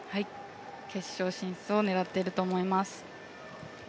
決勝進出を狙ってると思います。